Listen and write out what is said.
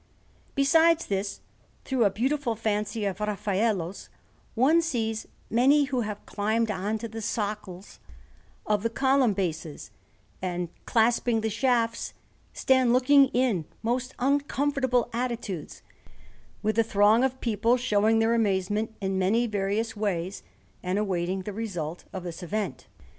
Besides this, through a beautiful fancy of Raffaello's, one sees many who have climbed on to the socles of the column bases, and, clasping the shafts, stand looking in most uncomfortable attitudes; with a throng of people showing their amazement in many various ways, and awaiting the result of this event.